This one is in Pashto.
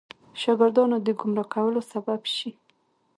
شاګردانو د ګمراه کولو سبب شي.